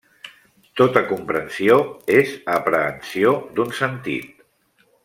Tota comprensió és aprehensió d'un sentit.